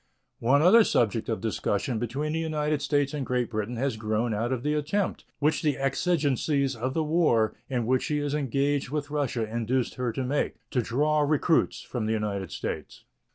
One other subject of discussion between the United States and Great Britain has grown out of the attempt, which the exigencies of the war in which she is engaged with Russia induced her to make, to draw recruits from the United States.